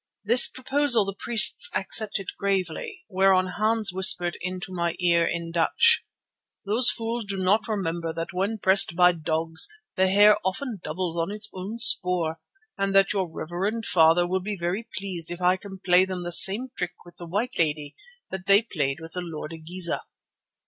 This proposal the priests accepted gravely, whereon Hans whispered into my ear in Dutch: "Those fools do not remember that when pressed by dogs the hare often doubles on its own spoor, and that your reverend father will be very pleased if I can play them the same trick with the white lady that they played with the Lord Igeza."